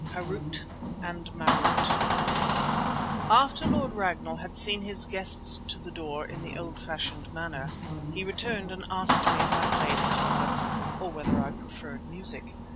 HARÛT AND MARÛT After Lord Ragnall had seen his guests to the door in the old fashioned manner, he returned and asked me if I played cards, or whether I preferred music.